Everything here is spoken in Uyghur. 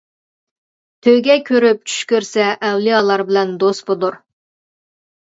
تۆگە كۆرۈپ چۈش كۆرسە ئەۋلىيالار بىلەن دوست بولۇر.